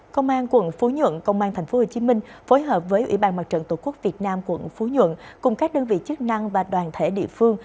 công an quận phú nhuận công an thành phố hồ chí minh phối hợp với ủy ban mặt trận tổ quốc việt nam quận phú nhuận cùng các đơn vị chức năng và đoàn thể địa phương